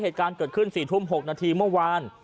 เหตุการณ์เกิดขึ้น๔ทุ่ม๖นาทีเมื่อวาน